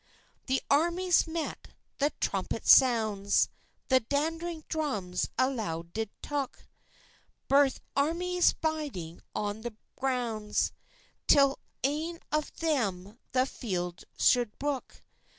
The armies met, the trumpet sounds, The dandring drums alloud did touk, Baith armies byding on the bounds, Till ane of them the feild sould bruik.